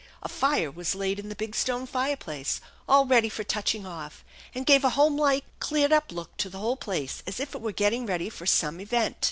A fire was laid in the big stone fire place, all ready for touching off, and gave a homelike, cleared up look to the whole place as if it were getting ready for somn event.